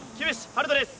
遥斗です。